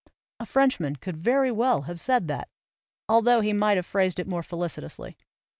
A Frenchman could very well have said that, altho he might have phrased it more felicitously.